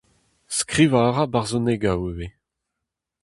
Skrivañ a ra barzhonegoù ivez.